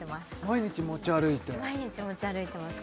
毎日持ち歩いてます